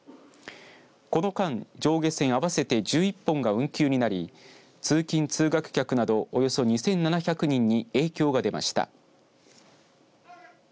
この間、上下線合わせて１１本が運休になり通勤通学客などおよそ２７００人に影響が出ました。